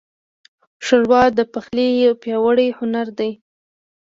ښوروا د پخلي یو پیاوړی هنر دی.